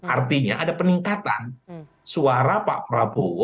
artinya ada peningkatan suara pak prabowo